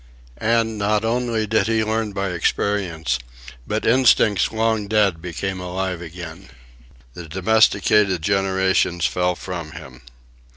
And not only did he learn by experience, but instincts long dead became alive again. The domesticated generations fell from him.